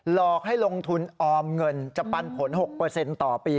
หลอกให้ลงทุนออมเงินจะปันผล๖ต่อปี